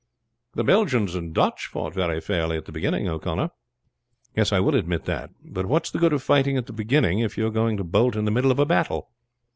"The Belgians and Dutch fought very fairly at the beginning, O'Connor." "Yes, I will admit that. But what's the good of fighting at the beginning if you are going to bolt in the middle of a battle?